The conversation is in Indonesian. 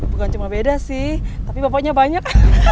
bukan cuma beda sih tapi bapaknya banyak